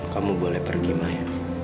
kamu boleh pergi mai